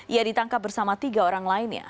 ia ditangkap bersama tiga orang lainnya